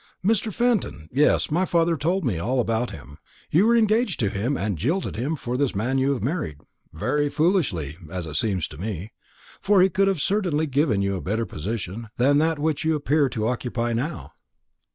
"Mr. Fenton! Yes, my father told me all about him. You were engaged to him, and jilted him for this man you have married very foolishly, as it seems to me; for he could certainly have given you a better position than that which you appear to occupy now."